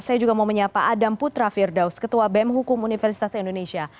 saya juga mau menyapa adam putra firdaus ketua bem hukum universitas indonesia